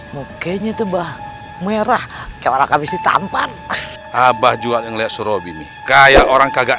mukanya tuh bah merah ke orang habis ditampar abah juga ngeliat surobi nih kayak orang kagak